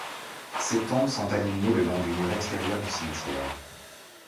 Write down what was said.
Ces tombes sont alignés le long du mur extérieur du cimetière.